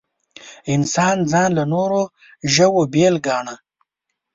انسان ځان له نورو ژوو بېل ګاڼه.